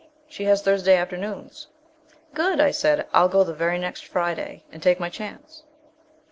She has Thursday afternoons." "Good," I said, "I'll go the very next Friday, and take my chance...."